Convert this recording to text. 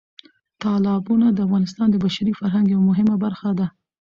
تالابونه د افغانستان د بشري فرهنګ یوه مهمه برخه ده.